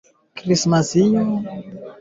Tafuta ushauri wa afisa mifugo